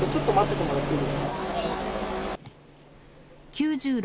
９６